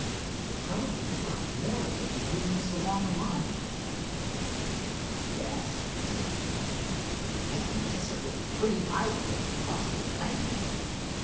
"With probably a lot more of it waiting us along the line," added Dave. "Yes," assented Hiram, "I can guess it will be pretty lively if we cross the Atlantic.